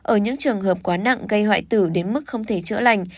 ở những trường hợp quá nặng gây hoại tử đến mức không thể chữa lành